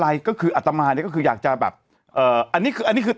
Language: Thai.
อะไรก็คืออัตมาเนี่ยก็คืออยากจะแบบเอ่ออันนี้คืออันนี้คือ